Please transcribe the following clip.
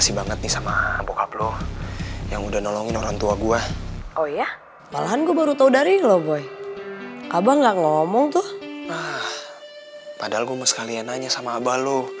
sampai jumpa di video selanjutnya